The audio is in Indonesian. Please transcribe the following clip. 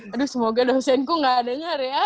aduh semoga dosenku gak dengar ya